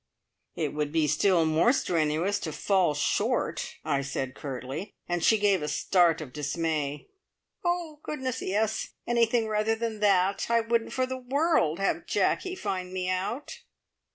"It would be still more strenuous to fall short," I said curtly, and she gave a start of dismay. "Oh, goodness, yes! Anything rather than that! I wouldn't for the world have Jacky find me out."